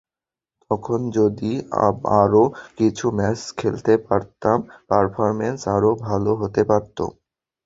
তখন যদি আরও কিছু ম্যাচ খেলতে পারতাম, পারফরম্যান্স আরও ভালো হতে পারত।